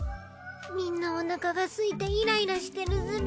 みんなお腹がすいてイライラしてるズラ。